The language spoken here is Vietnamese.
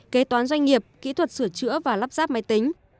kế toán doanh nghiệp kỹ thuật sửa chữa và lắp ráp máy tính